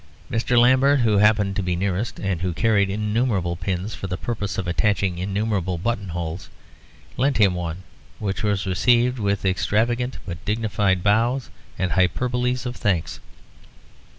Mr. Lambert, who happened to be nearest, and who carried innumerable pins for the purpose of attaching innumerable buttonholes, lent him one, which was received with extravagant but dignified bows, and hyperboles of thanks.